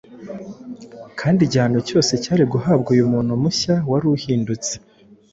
kandi igihano cyose cyari guhabwa uyu muntu mushya wari uhindutse,